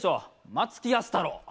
松木安太郎。